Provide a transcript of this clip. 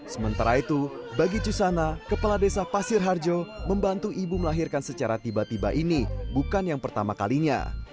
sementara itu bagi cusana kepala desa pasir harjo membantu ibu melahirkan secara tiba tiba ini bukan yang pertama kalinya